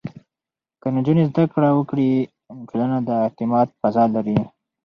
که نجونې زده کړه وکړي، نو ټولنه د اعتماد فضا لري.